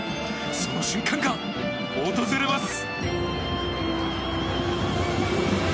その瞬間が訪れます。